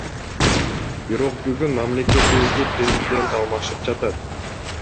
Бирок бүгүн мамлекетибизде президент алмашып жатат.